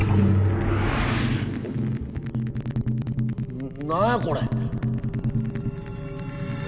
な何やこれ！